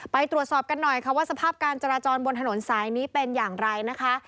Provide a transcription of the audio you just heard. ไปตรวจสอบกันหน่อยค่ะว่าสภาพการจราจรบนถนนสายนี้เป็นอย่างไรนะคะ